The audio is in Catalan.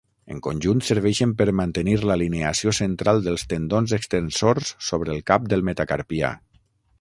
En conjunt, serveixen per mantenir l'alineació central dels tendons extensors sobre el cap del metacarpià.